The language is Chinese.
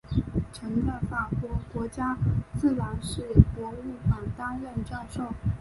曾在法国国家自然史博物馆担任教授。